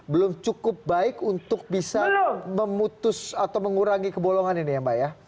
belum cukup baik untuk bisa memutus atau mengurangi kebolongan ini ya mbak ya